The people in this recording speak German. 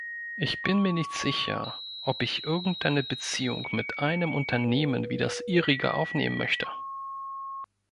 Ich bin mir nicht sicher, ob ich irgendeine Beziehung mit einem Unternehmen wie das Ihrige aufnehmen möchte.